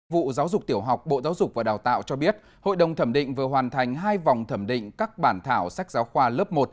vụ giáo dục tiểu học bộ giáo dục và đào tạo cho biết hội đồng thẩm định vừa hoàn thành hai vòng thẩm định các bản thảo sách giáo khoa lớp một